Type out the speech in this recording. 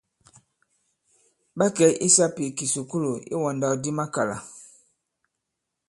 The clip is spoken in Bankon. Ɓa kɛ̀ i sāpì ì kìsukulù iwàndàkdi makàlà.